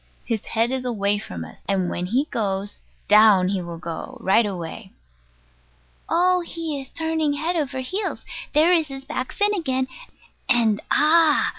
His head is from us; and when he goes down he will go right away. Oh, he is turning head over heels! There is his back fin again. And Ah!